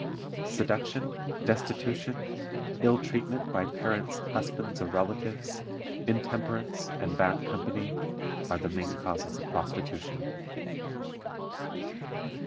Seduction; destitution; ill treatment by parents, husbands, or relatives; intemperance; and bad company, are the main causes of prostitution.